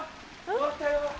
終わった。